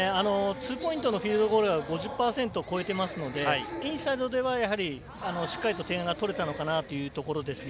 フィールドゴールは５０％を超えてますのでインサイドでは、しっかりと点が取れたのかなというところですね。